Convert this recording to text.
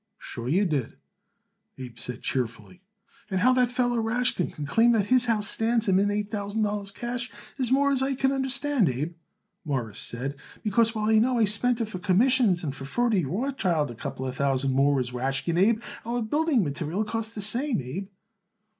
"Sure, you did," Abe said cheerfully. "And how that feller, Rashkin, could claim that his house stands him in eight thousand dollars cash is more as I could understand, Abe," Morris said. "Because while I know it I spent for commissions and for Ferdy Rothschild a couple thousand more as Rashkin, Abe, our building material cost the same, Abe."